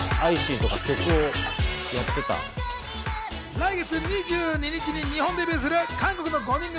来月２２日に日本デビューする韓国の５人組